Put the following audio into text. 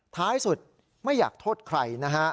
ท้ายสุดไม่อยากโทษใครนะฮะ